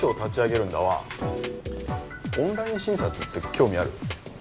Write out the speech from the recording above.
オンライン診察って興味ある？